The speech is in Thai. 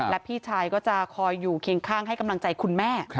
และพี่ชายก็จะคอยอยู่เคียงข้างให้กำลังใจคุณแม่